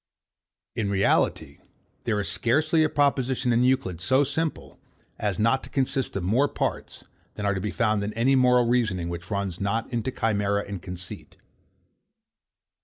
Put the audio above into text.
In reality, there is scarcely a proposition in Euclid so simple, as not to consist of more parts, than are to be found in any moral reasoning which runs not into chimera and conceit.